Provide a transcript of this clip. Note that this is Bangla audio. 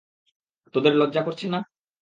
তোদের লজ্জা করছে না?